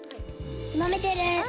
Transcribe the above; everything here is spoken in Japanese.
つまめてる。